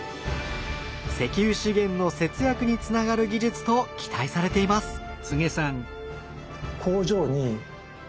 石油資源の節約につながる技術と期待されています。